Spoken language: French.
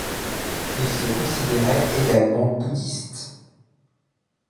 Il se considérait également bouddhiste.